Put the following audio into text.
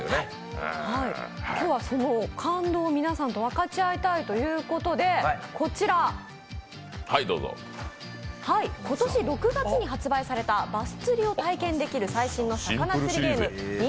今日はその感動を皆さんと分かち合いたいということでこちら今年６月に発売されたバス釣りを体験できる最新の魚釣りゲーム。